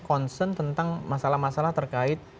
concern tentang masalah masalah terkait